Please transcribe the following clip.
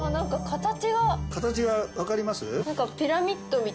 形が分かります？